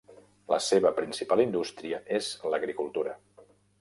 La seva principal indústria és l'agricultura.